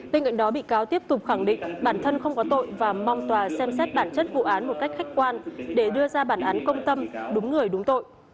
bên cạnh đó bị cáo tiếp tục khẳng định bản thân không có tội và mong tòa xem xét bản chất vụ án một cách khách quan để đưa ra bản án công tâm đúng người đúng tội